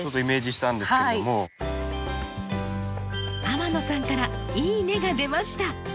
天野さんから「いいね」が出ました。